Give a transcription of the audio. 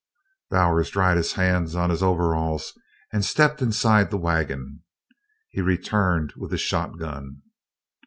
Bowers dried his hands on his overalls and stepped inside the wagon. He returned with his shotgun.